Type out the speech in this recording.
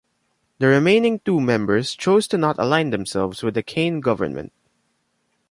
The remaining two members chose to not align themselves with the Kaine government.